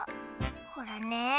ほらね。